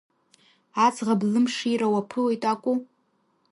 Аӡӷаб лымшира уаԥылоит акәу?